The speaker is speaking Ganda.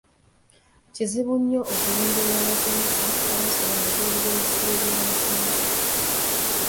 Kuzibu nnyo okulondoola abasomesa abasula wabweru w'ebisulo by'abasomesa.